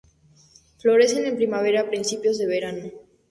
Florecen en primavera y a principios de verano.